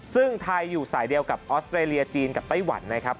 ซึ่งไทยอยู่สายเดียวกับออสเตรเลียจีนกับไต้หวันนะครับ